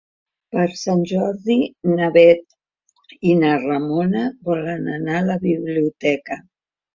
Per Sant Jordi na Bet i na Ramona volen anar a la biblioteca.